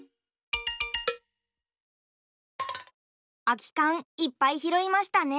あきかんいっぱいひろいましたね。